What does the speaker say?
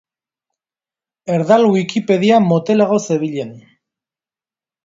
Erdal wikipedia motelago zebilen.